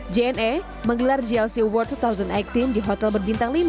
jna menggelar jlc world dua ribu delapan belas di hotel berbintang lima